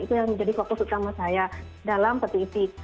itu yang menjadi fokus utama saya dalam peti peti